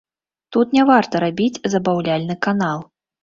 Тут не варта рабіць забаўляльны канал.